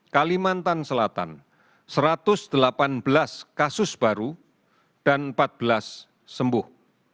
kalimantan selatan satu ratus delapan belas kasus baru dan empat belas sembuh